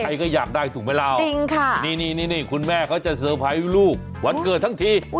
ใครก็อยากได้ถูกไหมล่ะจริงค่ะนี่คุณแม่เขาจะเซอร์ไพรส์ลูกวันเกิดทั้งที